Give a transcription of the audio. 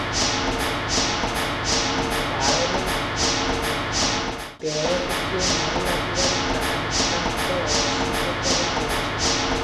ବାଳରେ ତେଳ ଟିକିଏ ନ ଲାଗିବାରୁ ତାହା ନିତାନ୍ତ ଅସଂଯତ ହୋଇ ପଡ଼ିଚି ।